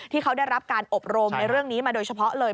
ที่เขาได้รับการอบรมในเรื่องนี้มาโดยเฉพาะเลย